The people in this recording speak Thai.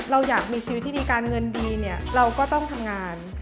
เราอยากมีชีวิตที่ดีการเงินดีเนี่ยเราก็ต้องทำงาน